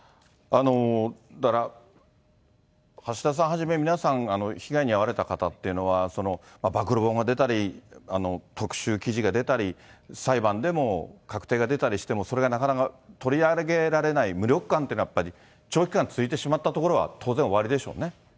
だから、橋田さんはじめ、皆さん、被害に遭われた方っていうのは、暴露本が出たり、特集記事が出たり、裁判でも確定が出たりしても、それがなかなか取り上げられない無力感というのはやっぱり長期間続いてしまったところは当然おありでしょうね。